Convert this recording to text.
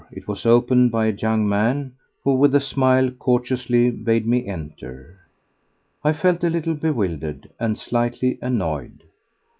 It was opened by a young man, who with a smile courteously bade me enter. I felt a little bewildered—and slightly annoyed.